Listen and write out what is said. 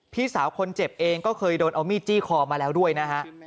พี่สาวคนเจ็บเองก็เคยโดนเอามีดจี้คอมาแล้วด้วยนะฮะ